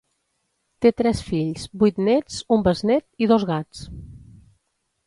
Té tres fills, vuit nets, un besnet i dos gats.